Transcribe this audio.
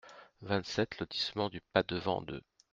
vingt-sept lotissement du Padevant deux